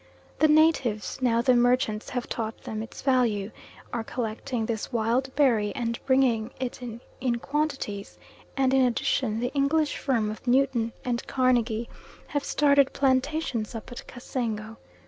The natives, now the merchants have taught them its value, are collecting this wild berry and bringing it in in quantities, and in addition the English firm of Newton and Carnegie have started plantations up at Cassengo.